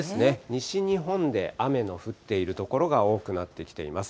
西日本で雨の降っている所が多くなってきています。